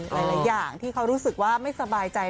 หลายอย่างที่เขารู้สึกว่าไม่สบายใจ